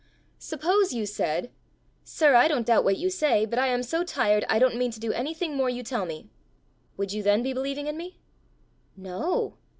"Suppose you said, 'Sir, I don't doubt what you say, but I am so tired, I don't mean to do anything more you tell me,' would you then be believing in me?" "No.